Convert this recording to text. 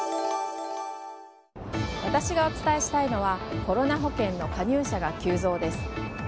私がお伝えしたいのはコロナ保険の加入者が急増です。